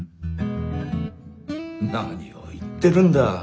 何を言ってるんだ。